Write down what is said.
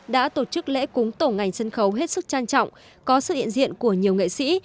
đã tổ chức lễ cúng tổ ngành sân khấu hết sức trang trọng có sự hiện diện của nhiều nghệ sĩ